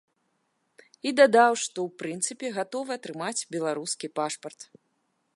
І дадаў, што ў прынцыпе, гатовы атрымаць беларускі пашпарт.